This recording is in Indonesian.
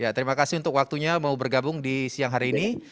ya terima kasih untuk waktunya mau bergabung di siang hari ini